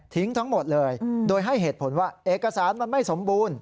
ทั้งหมดเลยโดยให้เหตุผลว่าเอกสารมันไม่สมบูรณ์